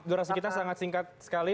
durasi kita sangat singkat sekali